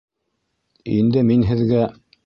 Инде мин һеҙгә...